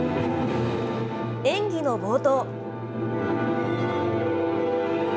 演技の冒頭。